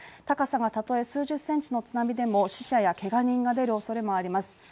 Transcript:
高さがたとえ数十センチの津波でも死者やけが人が出る恐れもあります。